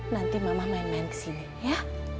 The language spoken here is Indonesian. nanti mama main main kesini ya